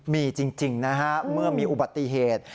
มีจริงนะฮะเมื่อมีอุบัติเหตุ